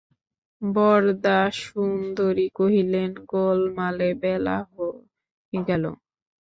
বরদাসুন্দরী কহিলেন, গোলমালে বেলা হয়ে গেল।